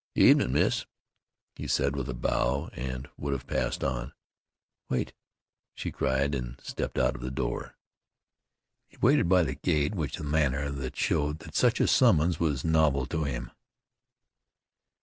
"Evenin', miss," he said with a bow, and would have passed on. "Wait," she cried, and stepped out of the door. He waited by the gate with a manner which showed that such a summons was novel to him.